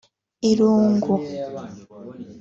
irungu